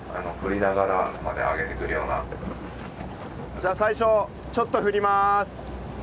じゃあ最初ちょっと振ります。